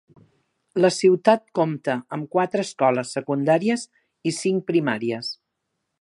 La ciutat compta amb quatre escoles secundàries i cinc primàries.